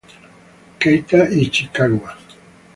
Keita Ichikawa